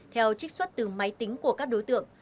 theo trích xuất từ máy tính của các đối tượng